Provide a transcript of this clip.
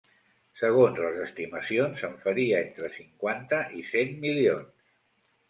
Segons les estimacions, en faria entre cinquanta i cent milions.